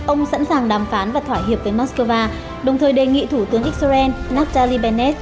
ông sẵn sàng đàm phán và thỏa hiệp với moscow đồng thời đề nghị thủ tướng israel natali benes